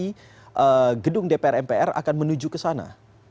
atau gedung dpr mpr akan menuju kesana